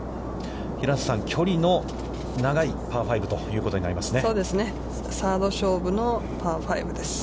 平瀬さん、距離の長いパー５ということになりますね。